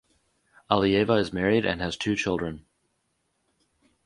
Aliyeva is married and has two children.